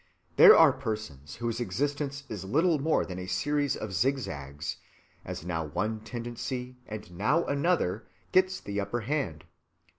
There are persons whose existence is little more than a series of zigzags, as now one tendency and now another gets the upper hand.